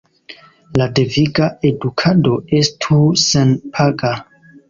La deviga edukado estu senpaga.